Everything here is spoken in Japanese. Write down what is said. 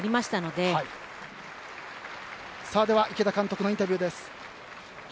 では池田監督のインタビューです。